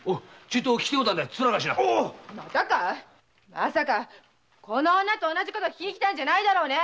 まさかこの女と同じことを訊きに来たんじゃないだろうね！